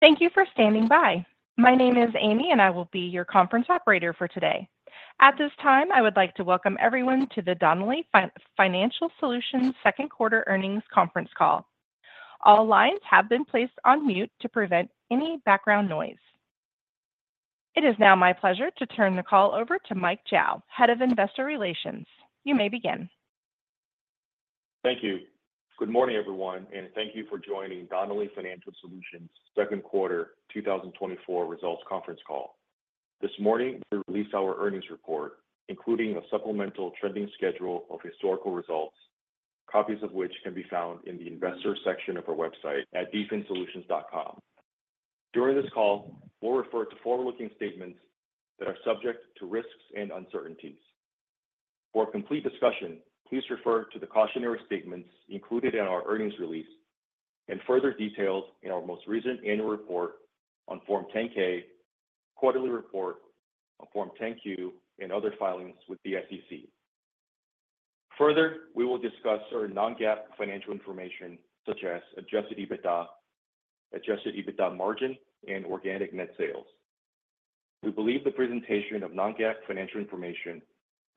Thank you for standing by. My name is Amy, and I will be your conference operator for today. At this time, I would like to welcome everyone to the Donnelley Financial Solutions Second Quarter Earnings Conference Call. All lines have been placed on mute to prevent any background noise. It is now my pleasure to turn the call over to Mike Zhao, Head of Investor Relations. You may begin. Thank you. Good morning, everyone, and thank you for joining Donnelley Financial Solutions Second Quarter 2024 Results Conference Call. This morning, we released our earnings report, including a supplemental trending schedule of historical results, copies of which can be found in the investor section of our website at dfinsolutions.com. During this call, we'll refer to forward-looking statements that are subject to risks and uncertainties. For a complete discussion, please refer to the cautionary statements included in our earnings release and further details in our most recent annual report on Form 10-K, quarterly report on Form 10-Q, and other filings with the SEC. Further, we will discuss our non-GAAP financial information such as adjusted EBITDA, adjusted EBITDA margin, and organic net sales. We believe the presentation of non-GAAP financial information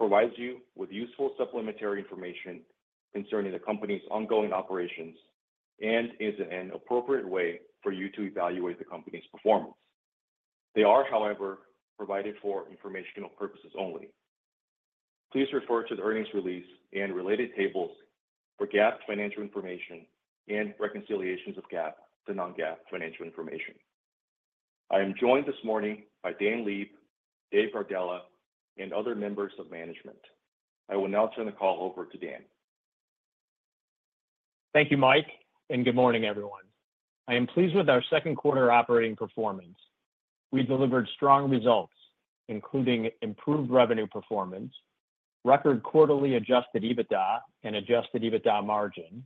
provides you with useful supplementary information concerning the company's ongoing operations and is an appropriate way for you to evaluate the company's performance. They are, however, provided for informational purposes only. Please refer to the earnings release and related tables for GAAP financial information and reconciliations of GAAP to non-GAAP financial information. I am joined this morning by Dan Leib, Dave Gardella, and other members of management. I will now turn the call over to Dan. Thank you, Mike, and good morning, everyone. I am pleased with our second quarter operating performance. We delivered strong results, including improved revenue performance, record quarterly adjusted EBITDA and adjusted EBITDA margin,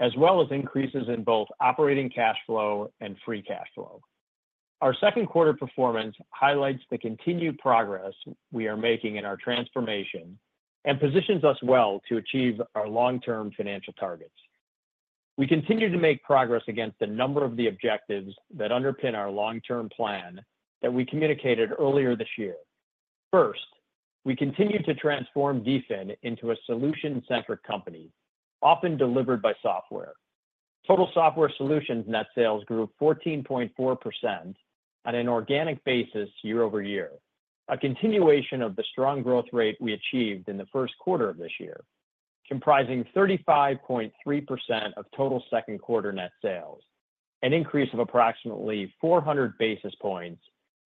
as well as increases in both operating cash flow and free cash flow. Our second quarter performance highlights the continued progress we are making in our transformation and positions us well to achieve our long-term financial targets. We continue to make progress against a number of the objectives that underpin our long-term plan that we communicated earlier this year. First, we continue to transform DFIN into a solution-centric company, often delivered by software. Total software solutions net sales grew 14.4% on an organic basis year-over-year, a continuation of the strong growth rate we achieved in the first quarter of this year, comprising 35.3% of total second quarter net sales, an increase of approximately 400 basis points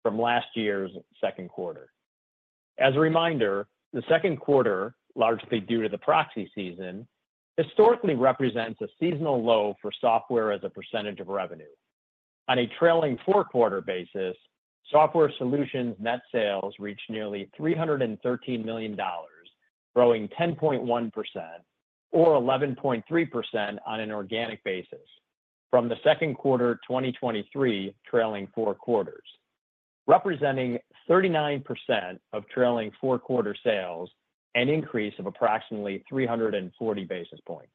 from last year's second quarter. As a reminder, the second quarter, largely due to the proxy season, historically represents a seasonal low for software as a percentage of revenue. On a trailing four-quarter basis, software solutions net sales reached nearly $313 million, growing 10.1% or 11.3% on an organic basis from the second quarter 2023 trailing four quarters, representing 39% of trailing four quarter sales, an increase of approximately 340 basis points.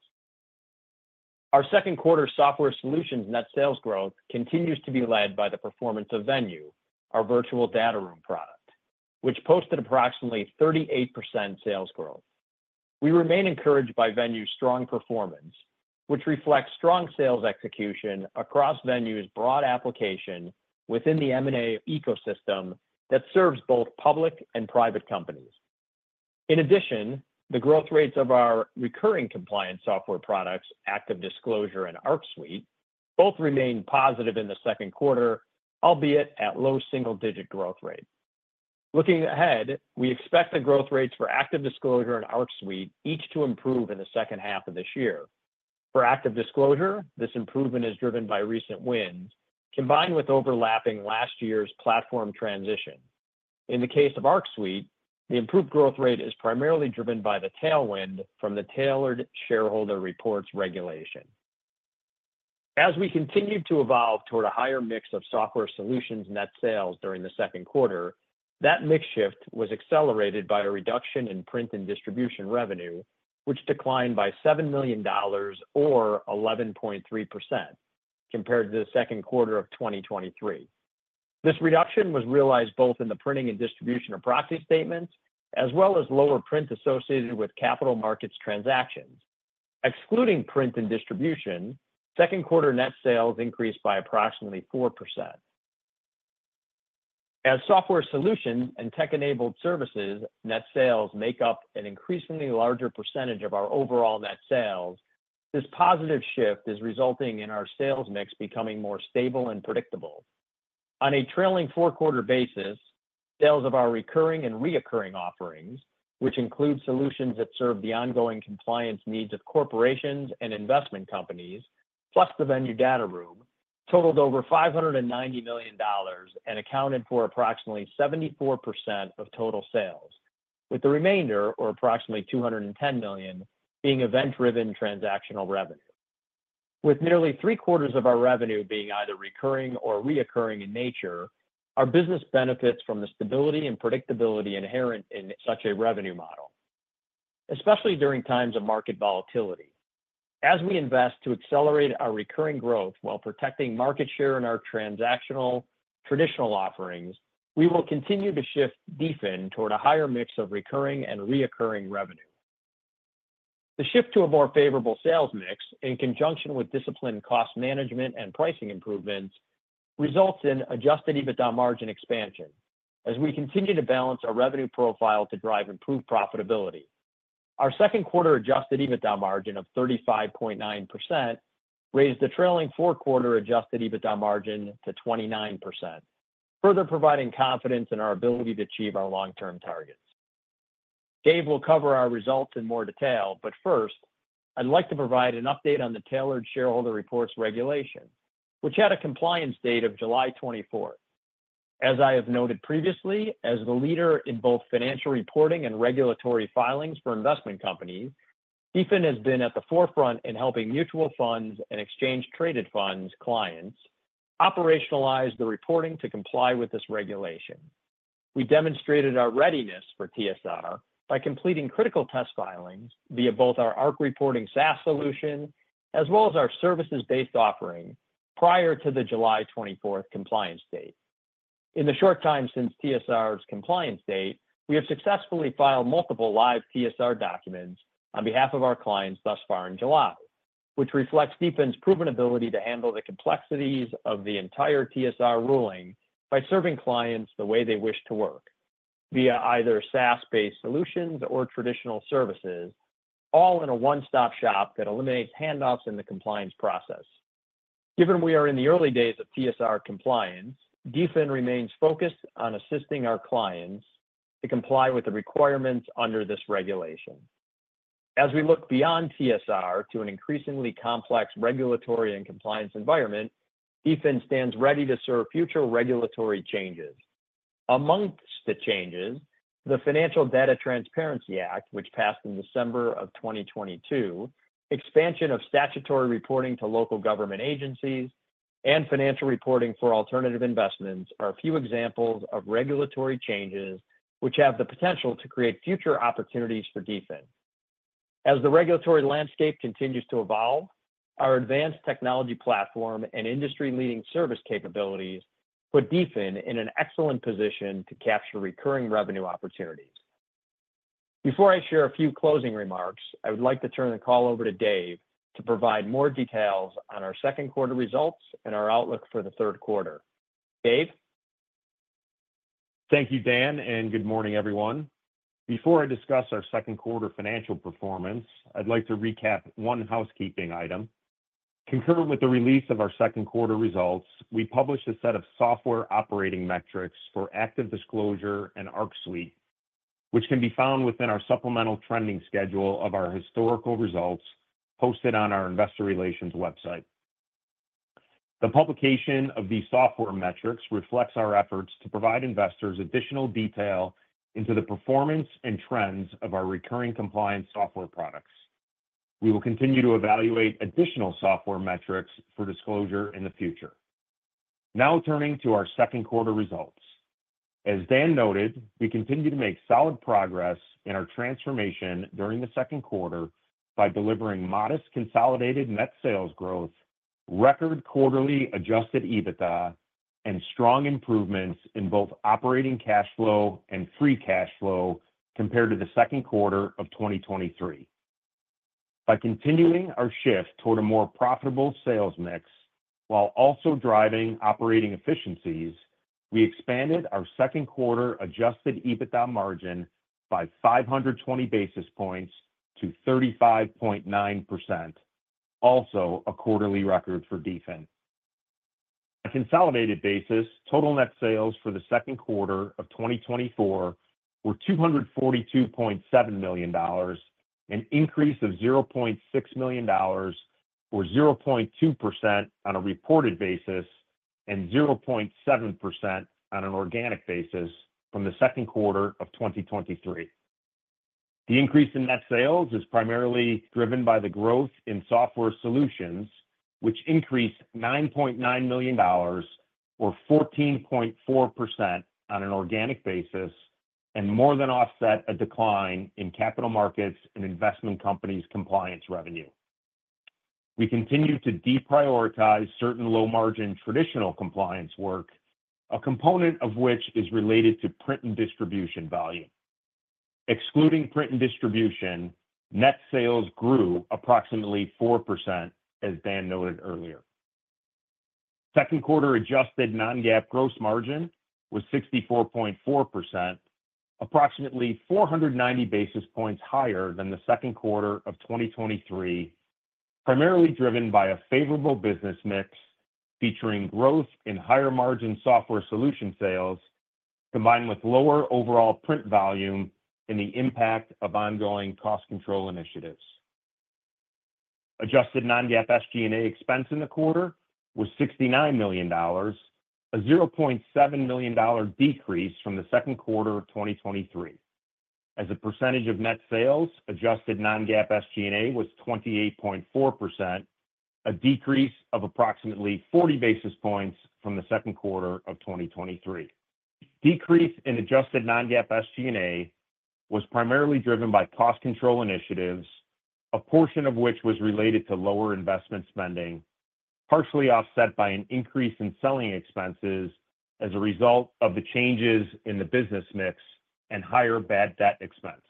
Our second quarter software solutions net sales growth continues to be led by the performance of Venue, our virtual data room product, which posted approximately 38% sales growth. We remain encouraged by Venue's strong performance, which reflects strong sales execution across Venue's broad application within the M&A ecosystem that serves both public and private companies. In addition, the growth rates of our recurring compliance software products, ActiveDisclosure and Arc Suite, both remained positive in the second quarter, albeit at low single-digit growth rate. Looking ahead, we expect the growth rates for ActiveDisclosure and Arc Suite each to improve in the second half of this year. For ActiveDisclosure, this improvement is driven by recent wins, combined with overlapping last year's platform transition. In the case of Arc Suite, the improved growth rate is primarily driven by the tailwind from the Tailored Shareholder Reports regulation. As we continue to evolve toward a higher mix of software solutions net sales during the second quarter, that mix shift was accelerated by a reduction in print and distribution revenue, which declined by $7 million or 11.3% compared to the second quarter of 2023. This reduction was realized both in the printing and distribution of proxy statements, as well as lower print associated with capital markets transactions. Excluding print and distribution, second quarter net sales increased by approximately 4%. As software solutions and tech-enabled services, net sales make up an increasingly larger percentage of our overall net sales. This positive shift is resulting in our sales mix becoming more stable and predictable. On a trailing four-quarter basis, sales of our recurring and reoccurring offerings, which include solutions that serve the ongoing compliance needs of corporations and investment companies, plus the Venue data room, totaled over $590 million and accounted for approximately 74% of total sales, with the remainder, or approximately $210 million, being event-driven transactional revenue. With nearly three-quarters of our revenue being either recurring or reoccurring in nature, our business benefits from the stability and predictability inherent in such a revenue model... especially during times of market volatility. As we invest to accelerate our recurring growth while protecting market share in our transactional traditional offerings, we will continue to shift DFIN toward a higher mix of recurring and reoccurring revenue. The shift to a more favorable sales mix, in conjunction with disciplined cost management and pricing improvements, results in adjusted EBITDA margin expansion. As we continue to balance our revenue profile to drive improved profitability, our second quarter adjusted EBITDA margin of 35.9% raised the trailing four-quarter adjusted EBITDA margin to 29%, further providing confidence in our ability to achieve our long-term targets. Dave will cover our results in more detail, but first, I'd like to provide an update on the Tailored Shareholder Reports regulation, which had a compliance date of July 24. As I have noted previously, as the leader in both financial reporting and regulatory filings for investment companies, DFIN has been at the forefront in helping mutual funds and exchange-traded funds clients operationalize the reporting to comply with this regulation. We demonstrated our readiness for TSR by completing critical test filings via both our ArcReporting SaaS solution as well as our services-based offering prior to the July 24 compliance date. In the short time since TSR's compliance date, we have successfully filed multiple live TSR documents on behalf of our clients thus far in July, which reflects DFIN's proven ability to handle the complexities of the entire TSR ruling by serving clients the way they wish to work, via either SaaS-based solutions or traditional services, all in a one-stop shop that eliminates handoffs in the compliance process. Given we are in the early days of TSR compliance, DFIN remains focused on assisting our clients to comply with the requirements under this regulation. As we look beyond TSR to an increasingly complex regulatory and compliance environment, DFIN stands ready to serve future regulatory changes. Amongst the changes, the Financial Data Transparency Act, which passed in December of 2022, expansion of statutory reporting to local government agencies, and financial reporting for alternative investments are a few examples of regulatory changes which have the potential to create future opportunities for DFIN. As the regulatory landscape continues to evolve, our advanced technology platform and industry-leading service capabilities put DFIN in an excellent position to capture recurring revenue opportunities. Before I share a few closing remarks, I would like to turn the call over to Dave to provide more details on our second quarter results and our outlook for the third quarter. Dave? Thank you, Dan, and good morning, everyone. Before I discuss our second quarter financial performance, I'd like to recap one housekeeping item. Concurrent with the release of our second quarter results, we published a set of software operating metrics for ActiveDisclosure and Arc Suite, which can be found within our supplemental trending schedule of our historical results posted on our investor relations website. The publication of these software metrics reflects our efforts to provide investors additional detail into the performance and trends of our recurring compliance software products. We will continue to evaluate additional software metrics for disclosure in the future. Now, turning to our second quarter results. As Dan noted, we continued to make solid progress in our transformation during the second quarter by delivering modest consolidated net sales growth, record quarterly adjusted EBITDA, and strong improvements in both operating cash flow and free cash flow compared to the second quarter of 2023. By continuing our shift toward a more profitable sales mix, while also driving operating efficiencies, we expanded our second quarter adjusted EBITDA margin by 520 basis points to 35.9%, also a quarterly record for DFIN. On a consolidated basis, total net sales for the second quarter of 2024 were $242.7 million, an increase of $0.6 million, or 0.2% on a reported basis and 0.7% on an organic basis from the second quarter of 2023. The increase in net sales is primarily driven by the growth in software solutions, which increased $9.9 million, or 14.4% on an organic basis, and more than offset a decline in capital markets and investment companies' compliance revenue. We continue to deprioritize certain low-margin, traditional compliance work, a component of which is related to print and distribution volume. Excluding print and distribution, net sales grew approximately 4%, as Dan noted earlier. Second quarter adjusted non-GAAP gross margin was 64.4%, approximately 490 basis points higher than the second quarter of 2023, primarily driven by a favorable business mix, featuring growth in higher-margin software solution sales, combined with lower overall print volume and the impact of ongoing cost control initiatives. Adjusted non-GAAP SG&A expense in the quarter was $69 million, a $0.7 million decrease from the second quarter of 2023. As a percentage of net sales, adjusted non-GAAP SG&A was 28.4%, a decrease of approximately 40 basis points from the second quarter of 2023. Decrease in adjusted non-GAAP SG&A was primarily driven by cost control initiatives, a portion of which was related to lower investment spending, partially offset by an increase in selling expenses as a result of the changes in the business mix and higher bad debt expense.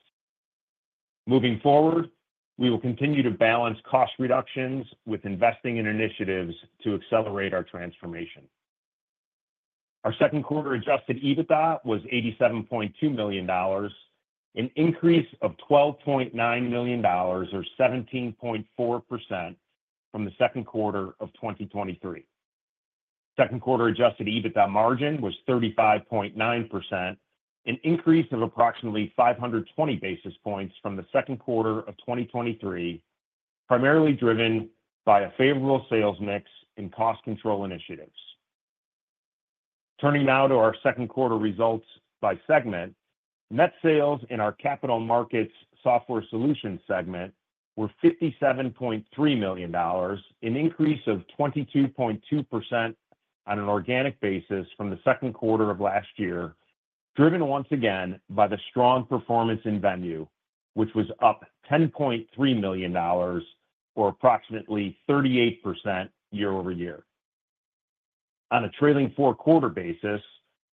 Moving forward, we will continue to balance cost reductions with investing in initiatives to accelerate our transformation. Our second quarter adjusted EBITDA was $87.2 million, an increase of $12.9 million, or 17.4% from the second quarter of 2023. Second quarter adjusted EBITDA margin was 35.9%, an increase of approximately 520 basis points from the second quarter of 2023, primarily driven by a favorable sales mix and cost control initiatives. Turning now to our second quarter results by segment. Net sales in our Capital Markets Software Solutions segment were $57.3 million, an increase of 22.2% on an organic basis from the second quarter of last year, driven once again by the strong performance in Venue, which was up $10.3 million, or approximately 38% year-over-year. On a trailing four-quarter basis,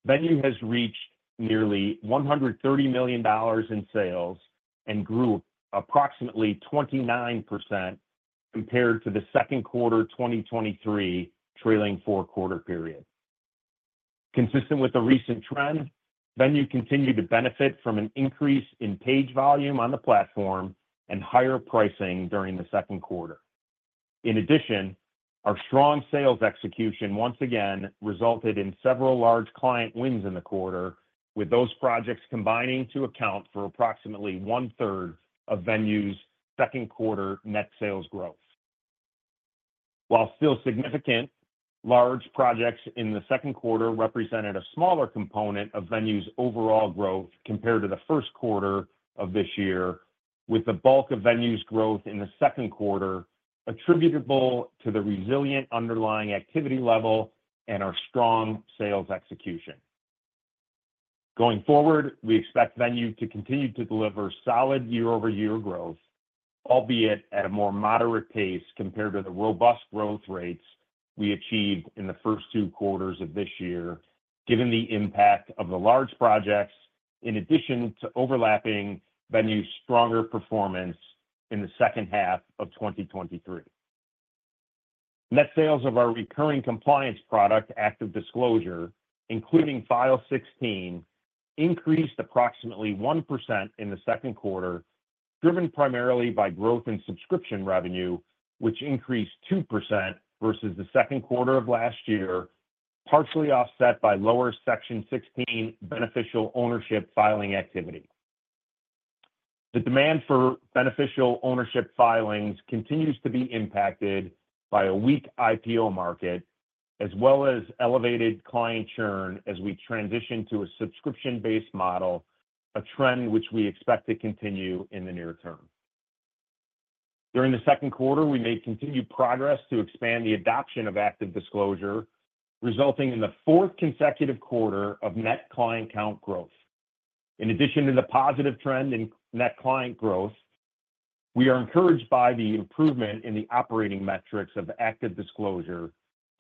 Venue has reached nearly $130 million in sales and grew approximately 29% compared to the second quarter 2023 trailing four-quarter period. Consistent with the recent trend, Venue continued to benefit from an increase in page volume on the platform and higher pricing during the second quarter. In addition, our strong sales execution once again resulted in several large client wins in the quarter, with those projects combining to account for approximately 1/3 of Venue's second quarter net sales growth. While still significant, large projects in the second quarter represented a smaller component of Venue's overall growth compared to the first quarter of this year, with the bulk of Venue's growth in the second quarter attributable to the resilient underlying activity level and our strong sales execution. Going forward, we expect Venue to continue to deliver solid year-over-year growth, albeit at a more moderate pace compared to the robust growth rates we achieved in the first two quarters of this year, given the impact of the large projects in addition to overlapping Venue's stronger performance in the second half of 2023. Net sales of our recurring compliance product, ActiveDisclosure, including File16, increased approximately 1% in the second quarter, driven primarily by growth in subscription revenue, which increased 2% versus the second quarter of last year, partially offset by lower Section 16 beneficial ownership filing activity. The demand for beneficial ownership filings continues to be impacted by a weak IPO market, as well as elevated client churn as we transition to a subscription-based model, a trend which we expect to continue in the near term. During the second quarter, we made continued progress to expand the adoption of ActiveDisclosure, resulting in the fourth consecutive quarter of net client count growth. In addition to the positive trend in net client growth, we are encouraged by the improvement in the operating metrics of ActiveDisclosure,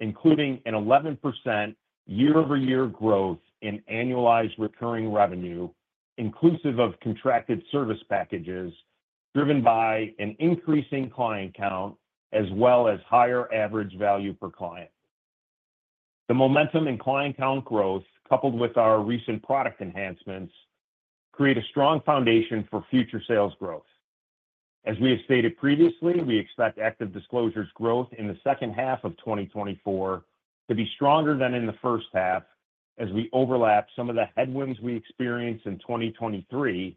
including an 11% year-over-year growth in annualized recurring revenue, inclusive of contracted service packages, driven by an increasing client count as well as higher average value per client. The momentum in client count growth, coupled with our recent product enhancements, create a strong foundation for future sales growth. As we have stated previously, we expect ActiveDisclosure's growth in the second half of 2024 to be stronger than in the first half as we overlap some of the headwinds we experienced in 2023,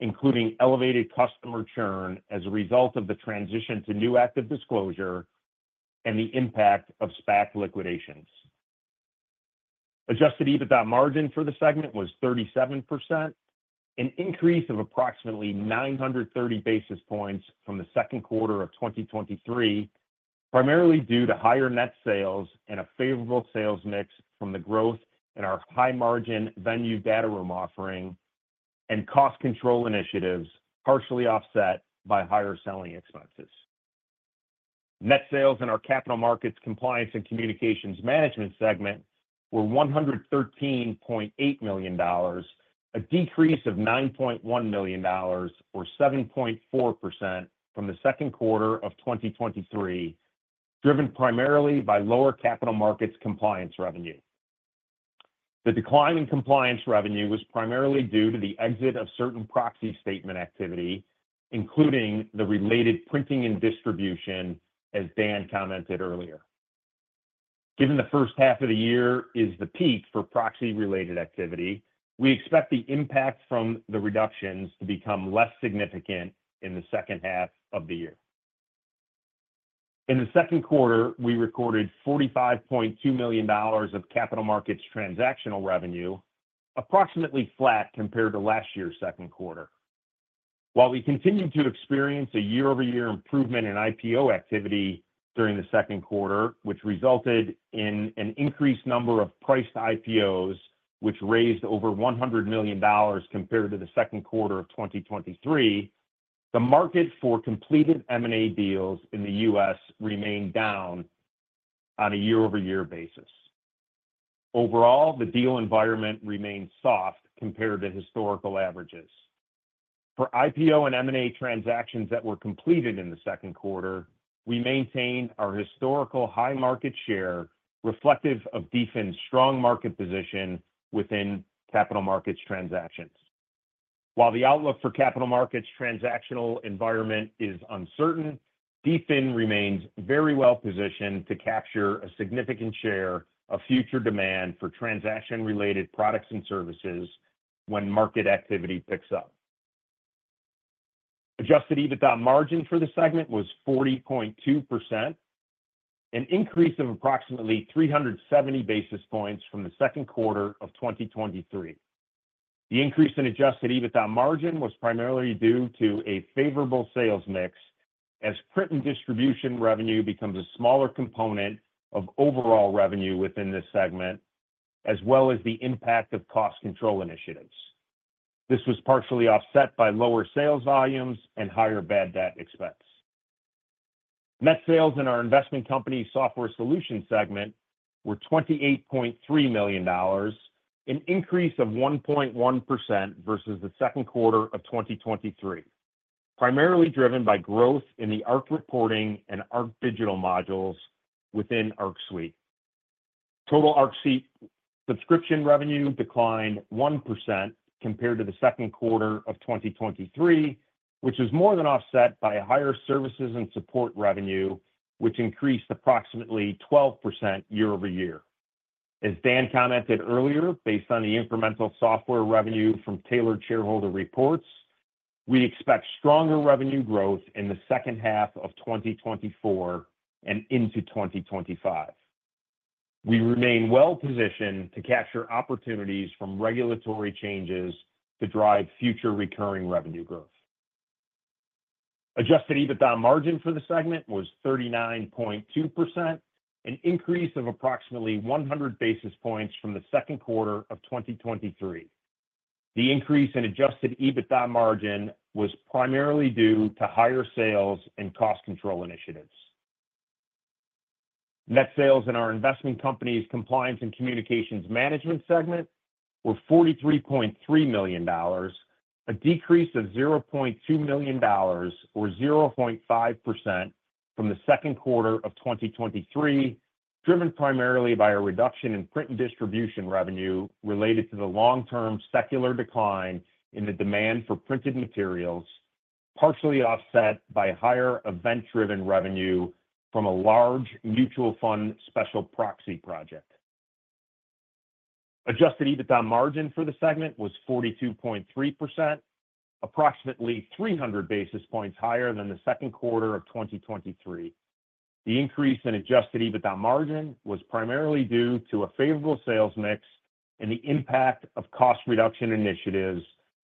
including elevated customer churn as a result of the transition to new ActiveDisclosure and the impact of SPAC liquidations. Adjusted EBITDA margin for the segment was 37%, an increase of approximately 930 basis points from the second quarter of 2023, primarily due to higher net sales and a favorable sales mix from the growth in our high-margin Venue data room offering and cost control initiatives, partially offset by higher selling expenses. Net sales in our Capital Markets, Compliance, and Communications Management segment were $113.8 million, a decrease of $9.1 million, or 7.4% from the second quarter of 2023, driven primarily by lower capital markets compliance revenue. The decline in compliance revenue was primarily due to the exit of certain proxy statement activity, including the related printing and distribution, as Dan commented earlier. Given the first half of the year is the peak for proxy-related activity, we expect the impact from the reductions to become less significant in the second half of the year. In the second quarter, we recorded $45.2 million of capital markets transactional revenue, approximately flat compared to last year's second quarter.... While we continued to experience a year-over-year improvement in IPO activity during the second quarter, which resulted in an increased number of priced IPOs, which raised over $100 million compared to the second quarter of 2023, the market for completed M&A deals in the U.S. remained down on a year-over-year basis. Overall, the deal environment remains soft compared to historical averages. For IPO and M&A transactions that were completed in the second quarter, we maintained our historical high market share, reflective of DFIN's strong market position within capital markets transactions. While the outlook for capital markets transactional environment is uncertain, DFIN remains very well-positioned to capture a significant share of future demand for transaction-related products and services when market activity picks up. Adjusted EBITDA margin for the segment was 40.2%, an increase of approximately 370 basis points from the second quarter of 2023. The increase in adjusted EBITDA margin was primarily due to a favorable sales mix, as print and distribution revenue becomes a smaller component of overall revenue within this segment, as well as the impact of cost control initiatives. This was partially offset by lower sales volumes and higher bad debt expense. Net sales in our Investment Company Software Solution segment were $28.3 million, an increase of 1.1% versus the second quarter of 2023, primarily driven by growth in the ArcReporting and ArcDigital modules within Arc Suite. Total Arc Suite subscription revenue declined 1% compared to the second quarter of 2023, which was more than offset by higher services and support revenue, which increased approximately 12% year-over-year. As Dan commented earlier, based on the incremental software revenue from Tailored Shareholder Reports, we expect stronger revenue growth in the second half of 2024 and into 2025. We remain well positioned to capture opportunities from regulatory changes to drive future recurring revenue growth. Adjusted EBITDA margin for the segment was 39.2%, an increase of approximately 100 basis points from the second quarter of 2023. The increase in adjusted EBITDA margin was primarily due to higher sales and cost control initiatives. Net sales in our Investment Companies Compliance and Communications Management segment were $43.3 million, a decrease of $0.2 million, or 0.5%, from the second quarter of 2023, driven primarily by a reduction in print and distribution revenue related to the long-term secular decline in the demand for printed materials, partially offset by higher event-driven revenue from a large mutual fund special proxy project. Adjusted EBITDA margin for the segment was 42.3%, approximately 300 basis points higher than the second quarter of 2023. The increase in adjusted EBITDA margin was primarily due to a favorable sales mix and the impact of cost reduction initiatives,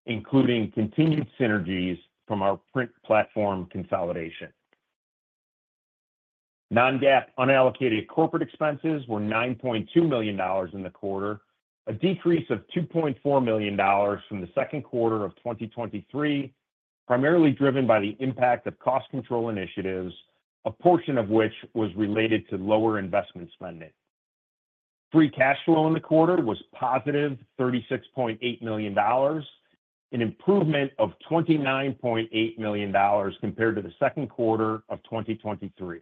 including continued synergies from our print platform consolidation. Non-GAAP unallocated corporate expenses were $9.2 million in the quarter, a decrease of $2.4 million from the second quarter of 2023, primarily driven by the impact of cost control initiatives, a portion of which was related to lower investment spending. Free cash flow in the quarter was positive $36.8 million, an improvement of $29.8 million compared to the second quarter of 2023.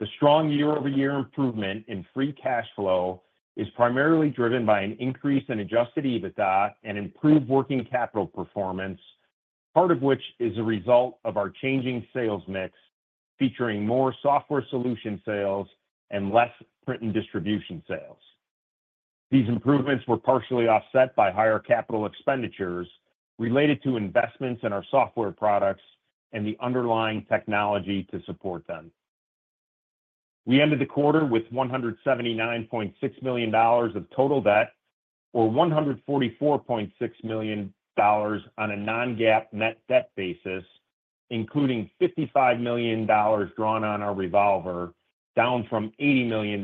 The strong year-over-year improvement in free cash flow is primarily driven by an increase in adjusted EBITDA and improved working capital performance, part of which is a result of our changing sales mix, featuring more software solution sales and less print and distribution sales. These improvements were partially offset by higher capital expenditures related to investments in our software products and the underlying technology to support them. We ended the quarter with $179.6 million of total debt, or $144.6 million on a non-GAAP net debt basis, including $55 million drawn on our revolver, down from $80 million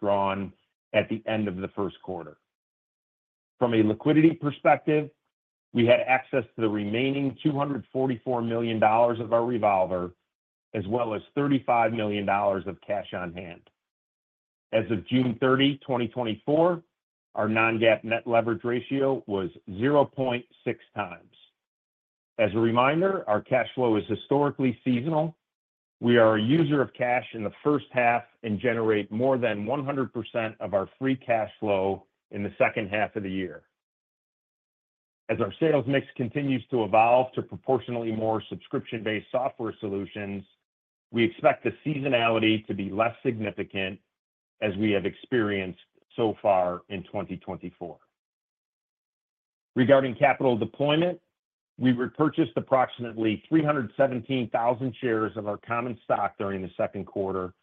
drawn at the end of the first quarter. From a liquidity perspective, we had access to the remaining $244 million of our revolver, as well as $35 million of cash on hand. As of June 30, 2024, our non-GAAP net leverage ratio was 0.6x. As a reminder, our cash flow is historically seasonal. We are a user of cash in the first half and generate more than 100% of our free cash flow in the second half of the year. As our sales mix continues to evolve to proportionally more subscription-based software solutions, we expect the seasonality to be less significant as we have experienced so far in 2024. Regarding capital deployment, we repurchased approximately 317,000 shares of our common stock during the second quarter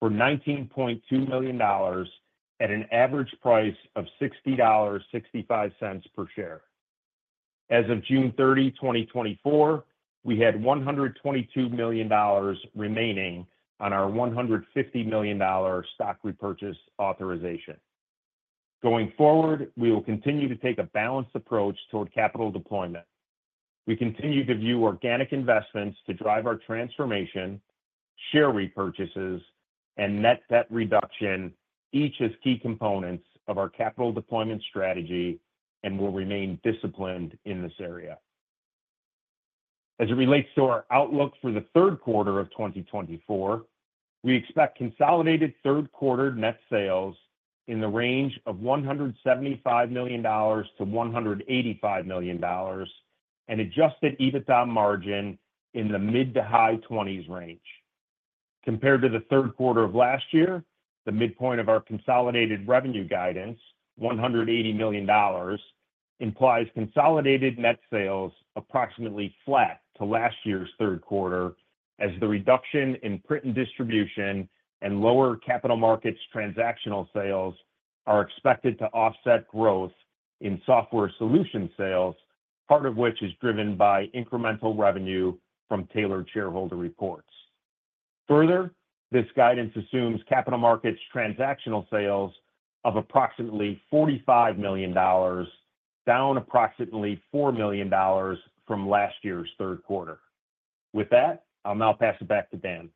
for $19.2 million at an average price of $60.65 per share. As of June 30, 2024, we had $122 million remaining on our $150 million stock repurchase authorization. Going forward, we will continue to take a balanced approach toward capital deployment. We continue to view organic investments to drive our transformation, share repurchases, and net debt reduction, each as key components of our capital deployment strategy and will remain disciplined in this area. As it relates to our outlook for the third quarter of 2024, we expect consolidated third quarter net sales in the range of $175 million-$185 million and adjusted EBITDA margin in the mid- to high-20s range. Compared to the third quarter of last year, the midpoint of our consolidated revenue guidance, $180 million, implies consolidated net sales approximately flat to last year's third quarter, as the reduction in print and distribution and lower capital markets transactional sales are expected to offset growth in software solution sales, part of which is driven by incremental revenue from Tailored Shareholder Reports. Further, this guidance assumes capital markets transactional sales of approximately $45 million, down approximately $4 million from last year's third quarter. With that, I'll now pass it back to Dan.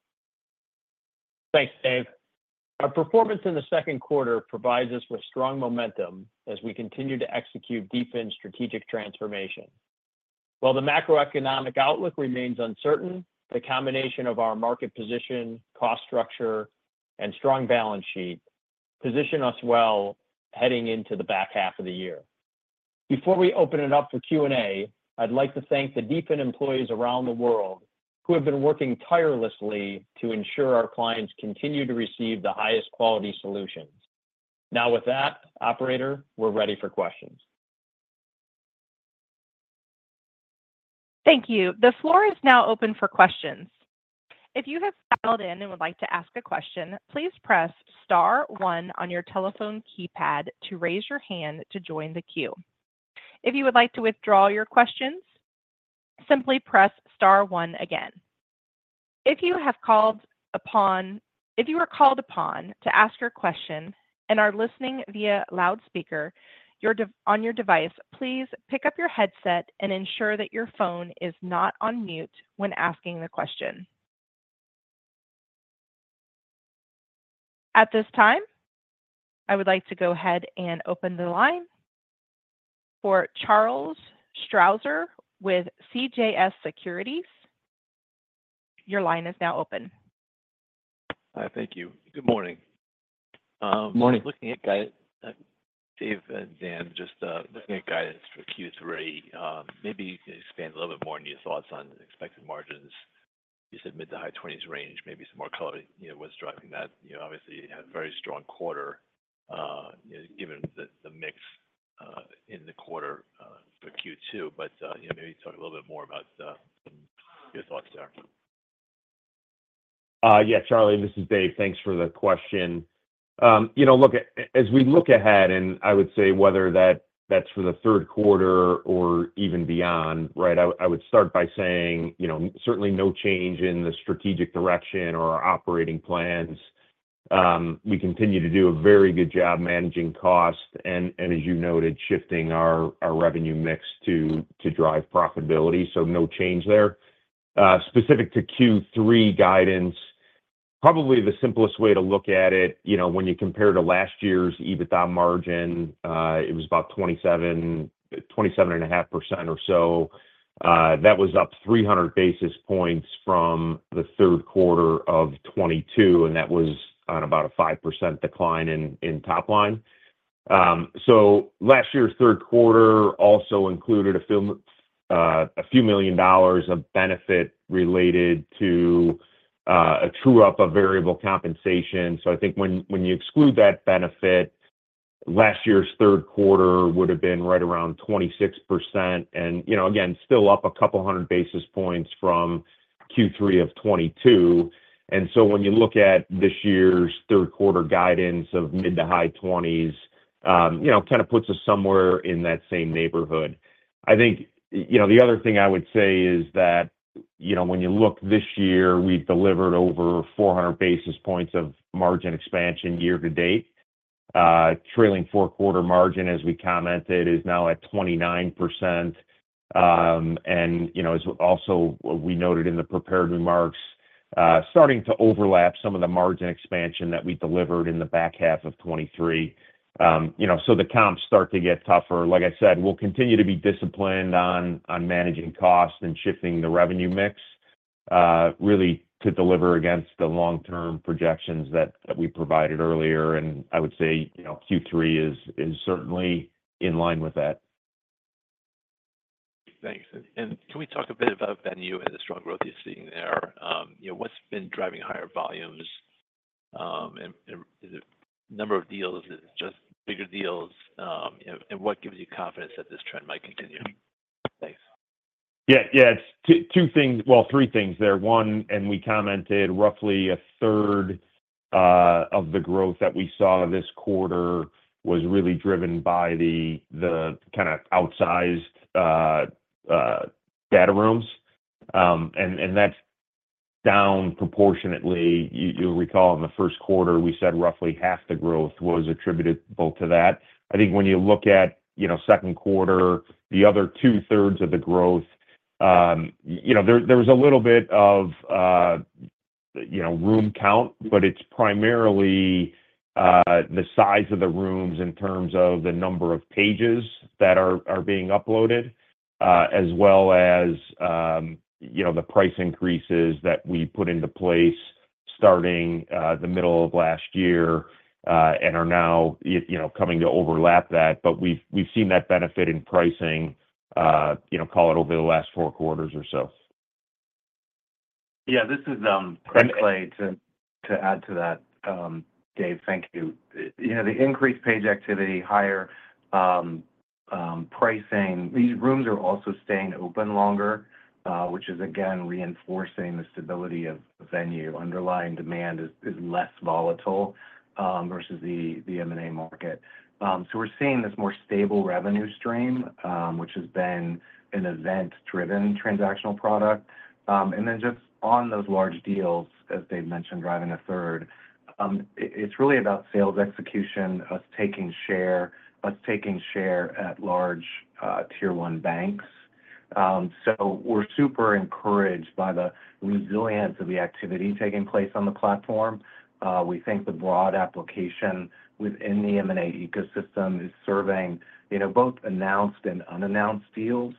Thanks, Dave. Our performance in the second quarter provides us with strong momentum as we continue to execute DFIN's strategic transformation. While the macroeconomic outlook remains uncertain, the combination of our market position, cost structure, and strong balance sheet position us well heading into the back half of the year. Before we open it up for Q&A, I'd like to thank the DFIN employees around the world who have been working tirelessly to ensure our clients continue to receive the highest quality solutions. Now, with that, operator, we're ready for questions. Thank you. The floor is now open for questions. If you have dialed in and would like to ask a question, please press star one on your telephone keypad to raise your hand to join the queue. If you would like to withdraw your questions, simply press star one again. If you are called upon to ask your question and are listening via loudspeaker, on your device, please pick up your headset and ensure that your phone is not on mute when asking the question. At this time, I would like to go ahead and open the line for Charles Strauzer with CJS Securities. Your line is now open. Hi. Thank you. Good morning. Morning. Looking at guidance for Q3, Dave and Dan, just looking at guidance for Q3, maybe you could expand a little bit more on your thoughts on expected margins. You said mid to high 20s range, maybe some more color, you know, what's driving that? You know, obviously, you had a very strong quarter, given the mix in the quarter for Q2. But you know, maybe talk a little bit more about your thoughts there. Yeah, Charlie, this is Dave. Thanks for the question. You know, look, as we look ahead, and I would say whether that's for the third quarter or even beyond, right? I would start by saying, you know, certainly no change in the strategic direction or our operating plans. We continue to do a very good job managing costs and, as you noted, shifting our revenue mix to drive profitability, so no change there. Specific to Q3 guidance, probably the simplest way to look at it, you know, when you compare to last year's EBITDA margin, it was about 27%, 27.5% or so. That was up 300 basis points from the third quarter of 2022, and that was on about a 5% decline in top line. So last year's third quarter also included a few million dollars of benefit related to a true-up of variable compensation. So I think when you exclude that benefit, last year's third quarter would have been right around 26%. And, you know, again, still up a couple of hundred basis points from Q3 of 2022. And so when you look at this year's third quarter guidance of mid- to high 20s, you know, kind of puts us somewhere in that same neighborhood. I think, you know, the other thing I would say is that, you know, when you look this year, we've delivered over 400 basis points of margin expansion year to date. Trailing four-quarter margin, as we commented, is now at 29%. And, you know, as also we noted in the prepared remarks, starting to overlap some of the margin expansion that we delivered in the back half of 2023. You know, so the comps start to get tougher. Like I said, we'll continue to be disciplined on managing costs and shifting the revenue mix, really to deliver against the long-term projections that we provided earlier. And I would say, you know, Q3 is certainly in line with that. Thanks. And can we talk a bit about Venue and the strong growth you're seeing there? You know, what's been driving higher volumes, and is it number of deals, just bigger deals, you know, and what gives you confidence that this trend might continue? Thanks.... Yeah, yeah, it's two things, well, three things there. One, we commented roughly a 1/3 of the growth that we saw this quarter was really driven by the kind of outsized data rooms. And that's down proportionately. You'll recall in the first quarter, we said roughly half the growth was attributable to that. I think when you look at, you know, second quarter, the other 2/3 of the growth, you know, there was a little bit of room count, but it's primarily the size of the rooms in terms of the number of pages that are being uploaded, as well as, you know, the price increases that we put into place starting the middle of last year, and are now you know, coming to overlap that. But we've seen that benefit in pricing, you know, call it over the last four quarters or so. Yeah, this is, Clay- And- To add to that, Dave, thank you. You know, the increased page activity, higher pricing, these rooms are also staying open longer, which is again reinforcing the stability of Venue. Underlying demand is less volatile versus the M&A market. So we're seeing this more stable revenue stream, which has been an event-driven transactional product. And then just on those large deals, as Dave mentioned, driving a third, it's really about sales execution, us taking share, us taking share at large Tier 1 banks. So we're super encouraged by the resilience of the activity taking place on the platform. We think the broad application within the M&A ecosystem is serving, you know, both announced and unannounced deals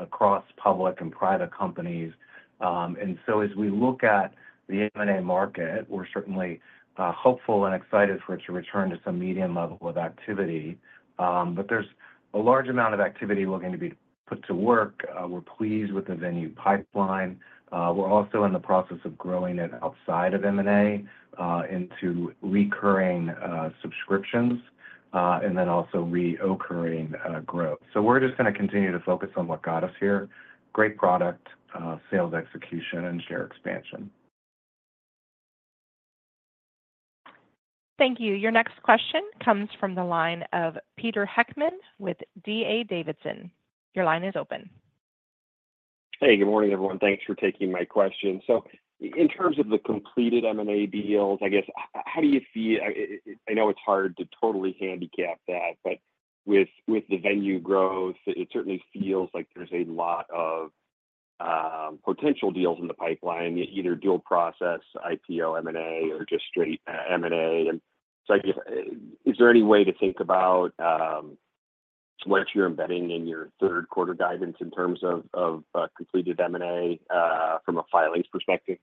across public and private companies. And so as we look at the M&A market, we're certainly hopeful and excited for it to return to some medium level of activity. But there's a large amount of activity looking to be put to work. We're pleased with the Venue pipeline. We're also in the process of growing it outside of M&A into recurring subscriptions and then also reoccurring growth. So we're just gonna continue to focus on what got us here: great product, sales execution, and share expansion. Thank you. Your next question comes from the line of Peter Heckmann with D.A. Davidson. Your line is open. Hey, good morning, everyone. Thanks for taking my question. So in terms of the completed M&A deals, I guess, how do you see—I know it's hard to totally handicap that, but with the Venue growth, it certainly feels like there's a lot of potential deals in the pipeline, either dual process, IPO, M&A, or just straight M&A. And so I guess, is there any way to think about what you're embedding in your third quarter guidance in terms of completed M&A from a filings perspective?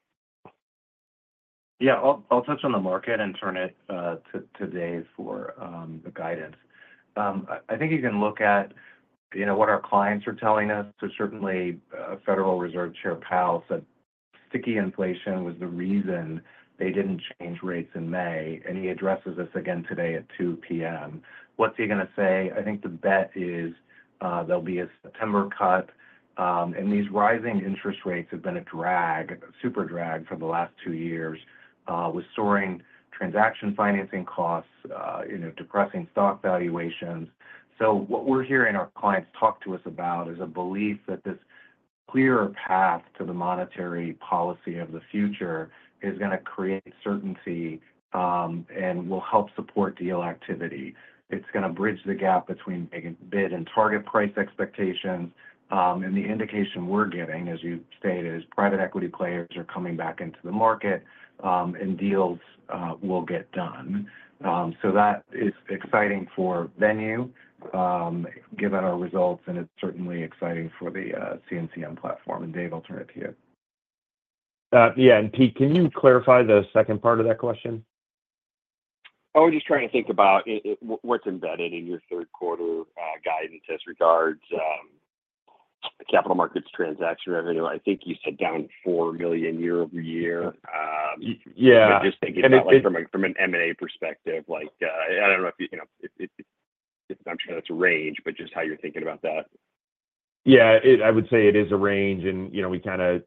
Yeah. I'll touch on the market and turn it to Dave for the guidance. I think you can look at, you know, what our clients are telling us. So certainly, Federal Reserve Chair Powell said sticky inflation was the reason they didn't change rates in May, and he addresses us again today at 2:00 P.M. What's he gonna say? I think the bet is there'll be a September cut. And these rising interest rates have been a drag, a super drag for the last two years, with soaring transaction financing costs, you know, depressing stock valuations. So what we're hearing our clients talk to us about is a belief that this clearer path to the monetary policy of the future is gonna create certainty, and will help support deal activity. It's gonna bridge the gap between making bid and target price expectations. And the indication we're getting, as you stated, is private equity players are coming back into the market, and deals will get done. So that is exciting for Venue, given our results, and it's certainly exciting for the C&CM platform. And, Dave, I'll turn it to you. Yeah, and Pete, can you clarify the second part of that question? I was just trying to think about what's embedded in your third quarter guidance as regards capital markets transaction revenue. I think you said down $4 million year-over-year. Yeah. Just thinking about, like, from an M&A perspective, like, I don't know if, you know, it, it- I'm sure that's a range, but just how you're thinking about that. Yeah, it is a range, and, you know, we kinda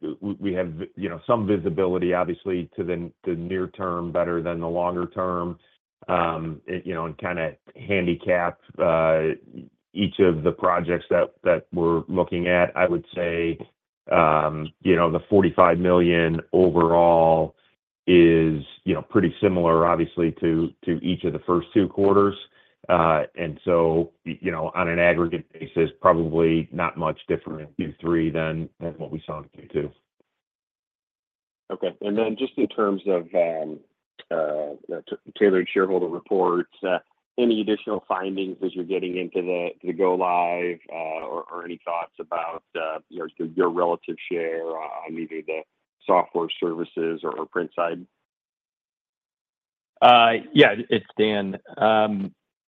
have, you know, some visibility, obviously, to the near term, better than the longer term. You know, and kinda handicap each of the projects that we're looking at. I would say, you know, the $45 million overall is, you know, pretty similar, obviously, to each of the first two quarters. And so, you know, on an aggregate basis, probably not much different in Q3 than what we saw in Q2. Okay. And then just in terms of tailored shareholder reports, any additional findings as you're getting into the go-live, or any thoughts about, you know, your relative share on either the software services or print side? Yeah, it's Dan.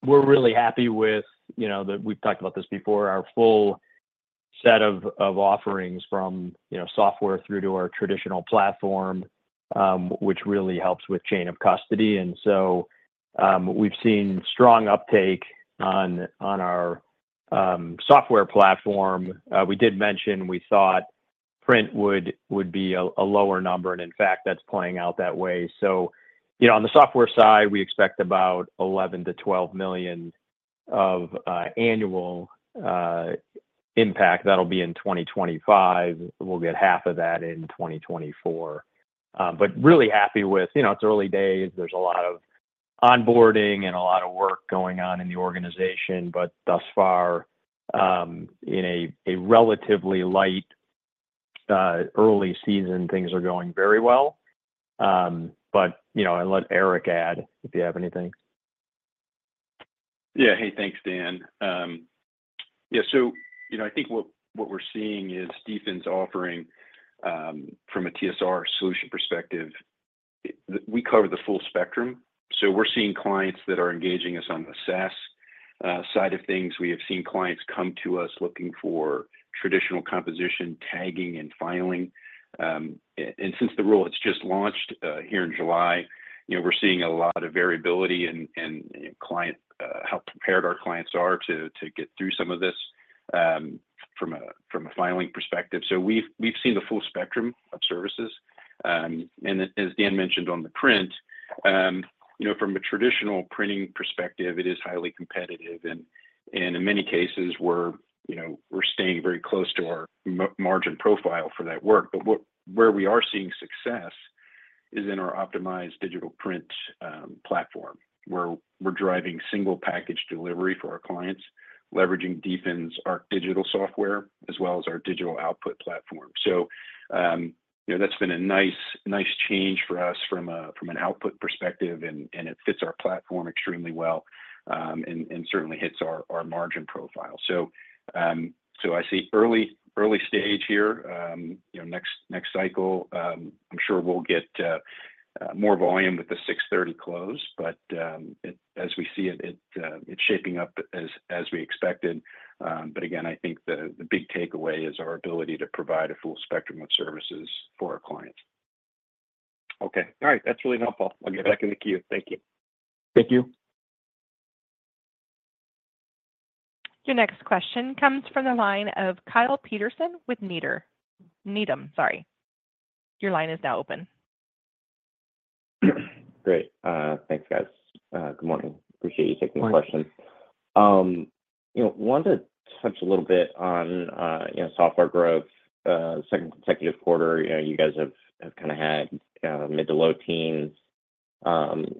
We're really happy with, you know, the—we've talked about this before, our full set of offerings from, you know, software through to our traditional platform, which really helps with chain of custody. So,... We've seen strong uptake on our software platform. We did mention we thought print would be a lower number, and in fact, that's playing out that way. So, you know, on the software side, we expect about $11 million-$12 million of annual impact. That'll be in 2025. We'll get half of that in 2024. But really happy with. You know, it's early days. There's a lot of onboarding and a lot of work going on in the organization, but thus far, in a relatively light early season, things are going very well. But, you know, I'll let Eric add, if you have anything. Yeah. Hey, thanks, Dan. Yeah, so, you know, I think what we're seeing is DFIN's offering, from a TSR solution perspective, we cover the full spectrum, so we're seeing clients that are engaging us on the SaaS side of things. We have seen clients come to us looking for traditional composition, tagging, and filing. And since the rule, it's just launched here in July, you know, we're seeing a lot of variability in how prepared our clients are to get through some of this, from a filing perspective. So we've seen the full spectrum of services. And as Dan mentioned on the print, you know, from a traditional printing perspective, it is highly competitive, and in many cases we're, you know, we're staying very close to our margin profile for that work. But where we are seeing success is in our optimized digital print platform, where we're driving single package delivery for our clients, leveraging DFIN's ArcDigital software as well as our digital output platform. So, you know, that's been a nice change for us from an output perspective, and it fits our platform extremely well, and certainly hits our margin profile. So, so I see early stage here. You know, next cycle, I'm sure we'll get more volume with the 6/30 close, but as we see it, it's shaping up as we expected. But again, I think the big takeaway is our ability to provide a full spectrum of services for our clients. Okay. All right. That's really helpful. I'll get back in the queue. Thank you. Thank you. Your next question comes from the line of Kyle Peterson with Needham. Sorry. Your line is now open. Great. Thanks, guys. Good morning. Appreciate you taking the question. Good morning. You know, wanted to touch a little bit on, you know, software growth. Second consecutive quarter, you know, you guys have kinda had mid- to low teens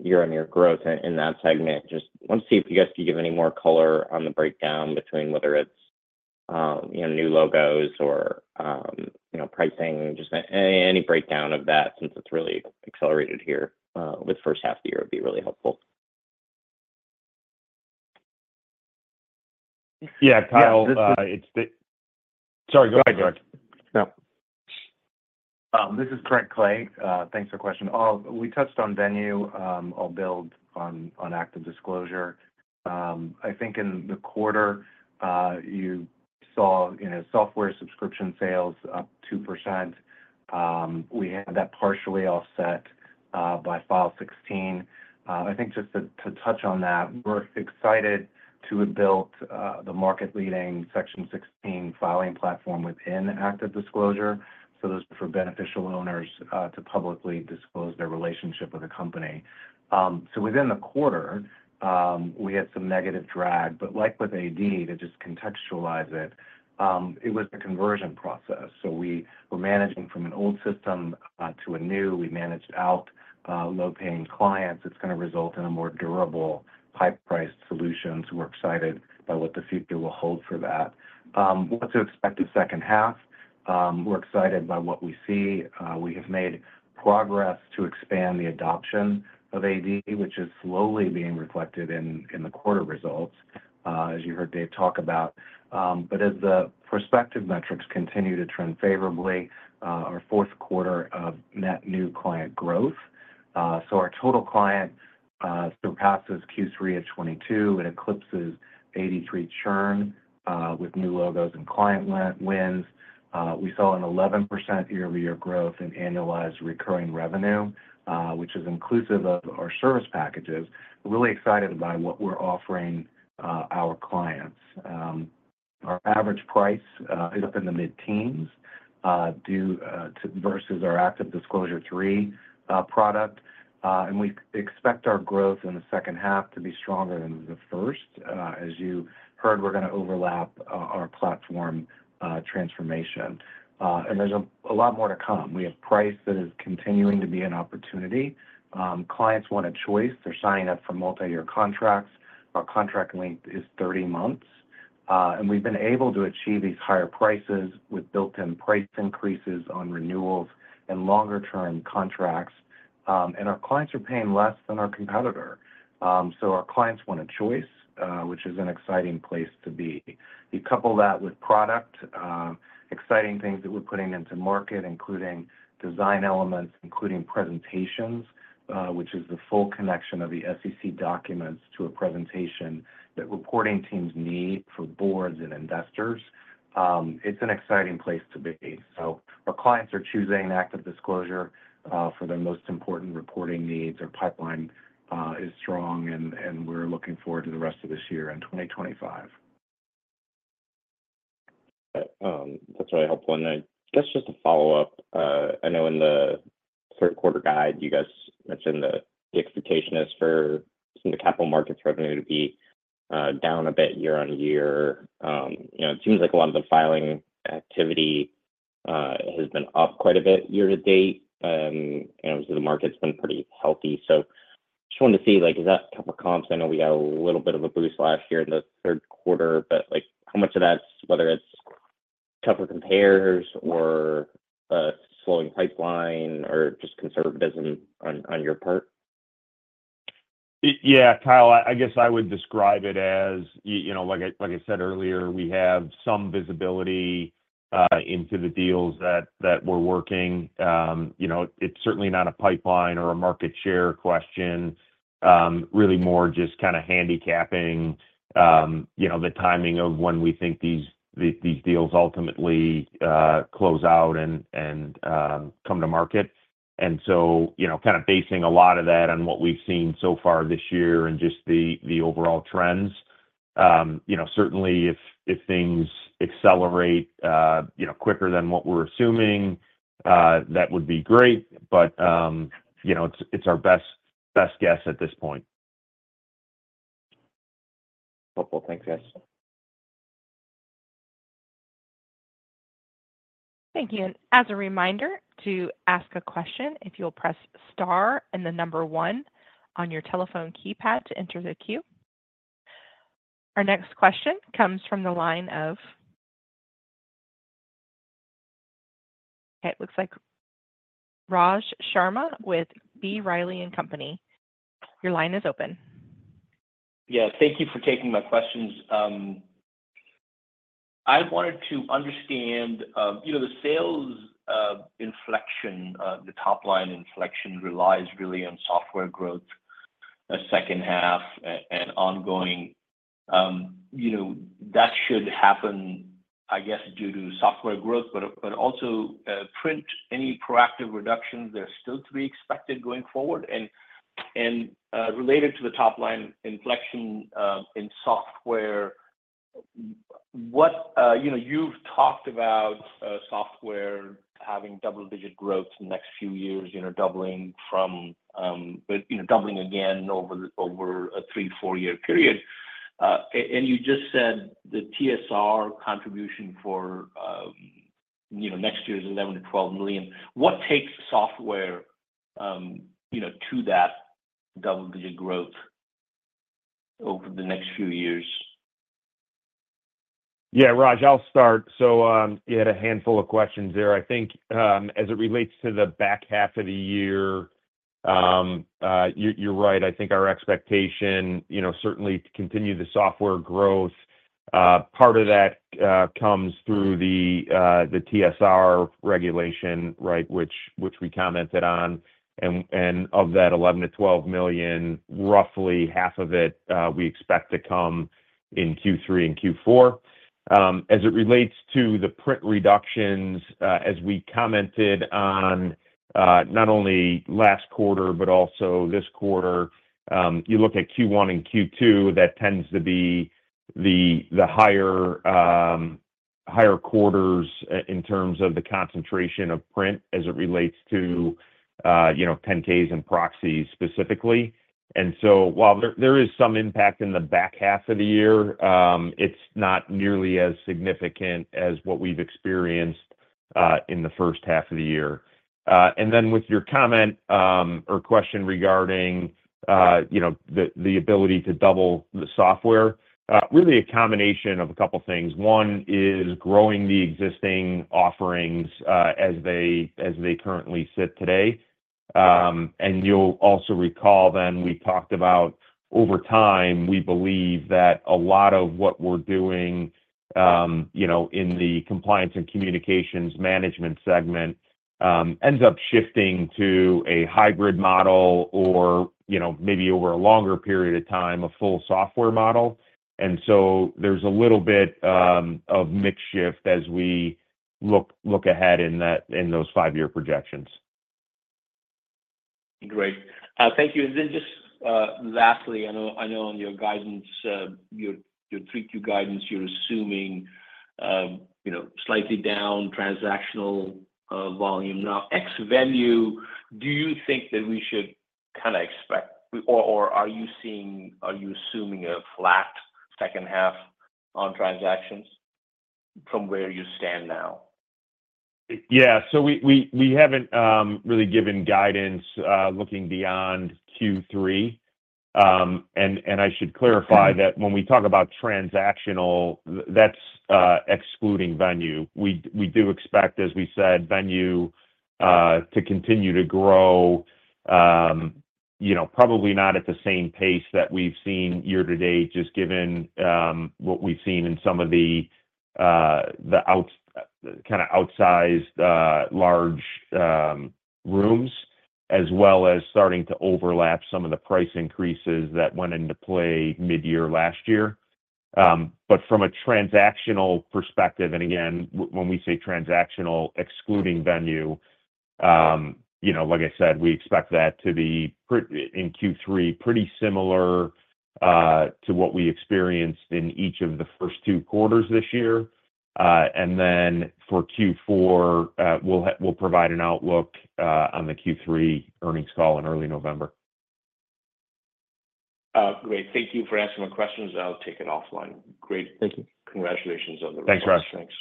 year-on-year growth in that segment. Just wanted to see if you guys could give any more color on the breakdown between whether it's, you know, new logos or, you know, pricing. Any breakdown of that, since it's really accelerated here with the first half of the year, would be really helpful. Yeah, Kyle, it's the- Sorry, go ahead, Craig. No. This is Craig Clay. Thanks for the question. We touched on Venue. I'll build on ActiveDisclosure. I think in the quarter, you saw, you know, software subscription sales up 2%. We had that partially offset by File16. I think just to touch on that, we're excited to have built the market-leading Section 16 filing platform within ActiveDisclosure, so those for beneficial owners to publicly disclose their relationship with the company. So within the quarter, we had some negative drag, but like with AD, to just contextualize it, it was a conversion process. So we were managing from an old system to a new. We managed out low-paying clients. It's gonna result in a more durable, high-priced solutions. We're excited by what the future will hold for that. What to expect the second half, we're excited by what we see. We have made progress to expand the adoption of AD, which is slowly being reflected in the quarter results, as you heard Dave talk about. But as the prospective metrics continue to trend favorably, our fourth quarter of net new client growth. So our total client surpasses Q3 of 2022 and eclipses AD3 churn, with new logos and client wins. We saw an 11% year-over-year growth in annualized recurring revenue, which is inclusive of our service packages. We're really excited by what we're offering our clients. Our average price is up in the mid-teens, due to versus our ActiveDisclosure 3 product. And we expect our growth in the second half to be stronger than the first. As you heard, we're gonna overlap our platform transformation, and there's a lot more to come. We have price that is continuing to be an opportunity. Clients want a choice. They're signing up for multiyear contracts. Our contract length is 30 months, and we've been able to achieve these higher prices with built-in price increases on renewals and longer-term contracts, and our clients are paying less than our competitor. So our clients want a choice, which is an exciting place to be. You couple that with product, exciting things that we're putting into market, including design elements, including presentations, which is the full connection of the SEC documents to a presentation that reporting teams need for boards and investors, it's an exciting place to be. So our clients are choosing ActiveDisclosure for their most important reporting needs. Our pipeline is strong, and we're looking forward to the rest of this year and 2025. ... That's really helpful. And I guess just to follow up, I know in the third quarter guide, you guys mentioned that the expectation is for some of the capital markets revenue to be down a bit year-over-year. You know, it seems like a lot of the filing activity has been up quite a bit year-to-date. And obviously, the market's been pretty healthy. So just wanted to see, like, is that couple of comps? I know we had a little bit of a boost last year in the third quarter, but, like, how much of that's whether it's tougher compares or a slowing pipeline or just conservatism on your part? Yeah, Kyle, I guess I would describe it as you know, like I said earlier, we have some visibility into the deals that we're working. You know, it's certainly not a pipeline or a market share question, really more just kind of handicapping you know, the timing of when we think these deals ultimately close out and come to market. So, you know, kind of basing a lot of that on what we've seen so far this year and just the overall trends. You know, certainly, if things accelerate you know, quicker than what we're assuming, that would be great, but you know, it's our best guess at this point. Wonderful. Thanks, guys. Thank you. As a reminder, to ask a question, if you'll press star and the number one on your telephone keypad to enter the queue. Our next question comes from the line of... It looks like Raj Sharma with B. Riley & Co. Your line is open. Yeah, thank you for taking my questions. I wanted to understand, you know, the sales inflection, the top line inflection relies really on software growth, second half and ongoing. You know, that should happen, I guess, due to software growth, but, but also, print any proactive reductions, they're still to be expected going forward? And, related to the top line inflection, in software, what-- you know, you've talked about, software having double-digit growth the next few years, you know, doubling from, but, you know, doubling again over a three, four-year period. And you just said the TSR contribution for, you know, next year is $11 million-$12 million. What takes software, you know, to that double-digit growth over the next few years? Yeah, Raj, I'll start. So, you had a handful of questions there. I think, as it relates to the back half of the year, you're right. I think our expectation, you know, certainly to continue the software growth, part of that comes through the TSR regulation, right? Which we commented on. And of that $11 million-$12 million, roughly half of it, we expect to come in Q3 and Q4. As it relates to the print reductions, as we commented on, not only last quarter but also this quarter, you look at Q1 and Q2, that tends to be the higher quarters in terms of the concentration of print as it relates to, you know, 10-Ks and proxies specifically. While there is some impact in the back half of the year, it's not nearly as significant as what we've experienced in the first half of the year. And then with your comment or question regarding, you know, the ability to double the software, really a combination of a couple of things. One is growing the existing offerings as they currently sit today. And you'll also recall then we talked about over time, we believe that a lot of what we're doing, you know, in the compliance and communications management segment, ends up shifting to a hybrid model or, you know, maybe over a longer period of time, a full software model. And so there's a little bit of mix shift as we look ahead in that in those five-year projections. Great. Thank you. And then just, lastly, I know, I know on your guidance, your, your 3Q guidance, you're assuming, you know, slightly down transactional, volume. Now, ex Venue, do you think that we should kind of expect, or, or are you seeing—are you assuming a flat second half on transactions from where you stand now? Yeah. So we haven't really given guidance looking beyond Q3. And I should clarify that when we talk about transactional, that's excluding Venue. We do expect, as we said, Venue to continue to grow. You know, probably not at the same pace that we've seen year-to-date, just given what we've seen in some of the kind of outsized large rooms, as well as starting to overlap some of the price increases that went into play mid-year last year. But from a transactional perspective, and again, when we say transactional, excluding Venue, you know, like I said, we expect that to be in Q3, pretty similar to what we experienced in each of the first two quarters this year. And then for Q4, we'll provide an outlook on the Q3 earnings call in early November. Great. Thank you for answering my questions. I'll take it offline. Great. Thank you. Congratulations on the results. Thanks, Raj. Thanks.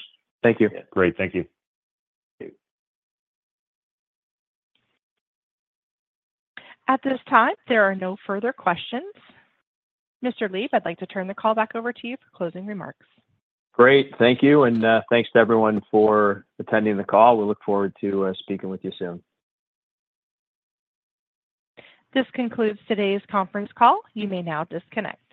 Thank you. Great. Thank you. Thank you. At this time, there are no further questions. Mr. Leib, I'd like to turn the call back over to you for closing remarks. Great. Thank you, and, thanks to everyone for attending the call. We look forward to speaking with you soon. This concludes today's conference call. You may now disconnect.